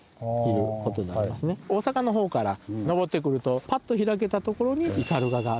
大阪の方から上ってくるとパッと開けた所に斑鳩がある。